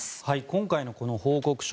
今回のこの報告書